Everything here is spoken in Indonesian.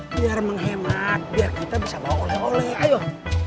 biar menghemat biar kita bisa bawa oleh oleh ayo